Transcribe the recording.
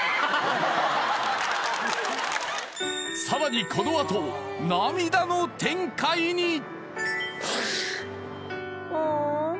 さらにこのあと涙の展開に！